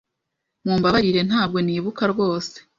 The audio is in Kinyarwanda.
Mumbabarire, ntabwo nibuka rwose.